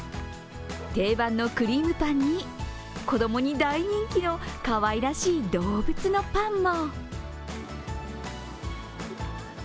定番のクリームパンに、子供に大人気のかわいらしい動物のパンも。